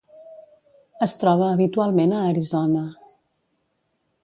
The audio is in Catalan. Es troba habitualment a Arizona.